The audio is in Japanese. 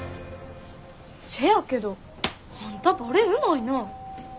せやけどあんたバレエうまいな。